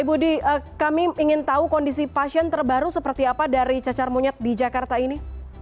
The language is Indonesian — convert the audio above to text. ibu di kami ingin tahu kondisi pasien terbaru seperti apa dari cacar monyet di jakarta ini